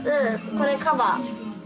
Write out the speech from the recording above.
これカバー。